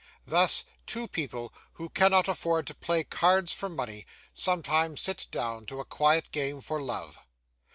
Thus two people who cannot afford to play cards for money, sometimes sit down to a quiet game for love.